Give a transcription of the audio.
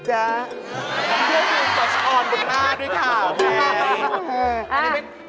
เชื่อดูสะชอบสุดมากด้วยค่ะ